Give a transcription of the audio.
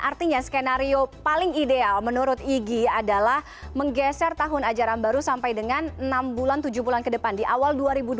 artinya skenario paling ideal menurut igi adalah menggeser tahun ajaran baru sampai dengan enam bulan tujuh bulan ke depan di awal dua ribu dua puluh